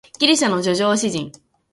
ギリシャの叙情詩人